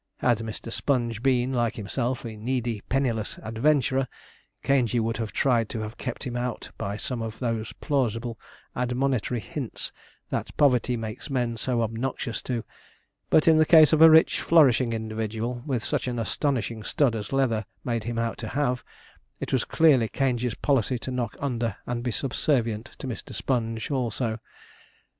Had Mr. Sponge been, like himself, a needy, penniless adventurer, Caingey would have tried to have kept him out by some of those plausible, admonitory hints, that poverty makes men so obnoxious to; but in the case of a rich, flourishing individual, with such an astonishing stud as Leather made him out to have, it was clearly Caingey's policy to knock under and be subservient to Mr. Sponge also.